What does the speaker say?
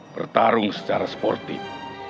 bertarung secara sportif